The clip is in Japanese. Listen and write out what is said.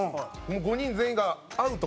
５人全員がアウト。